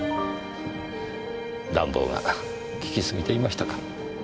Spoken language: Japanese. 暖房が効きすぎていましたか？